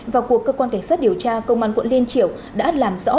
và cuộc cơ quan cảnh sát điều tra công an quận liên triểu đã làm rõ